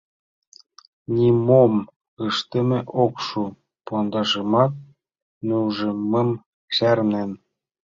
Нимом ыштыме ок шу, пондашымат нӱжымым чарнен.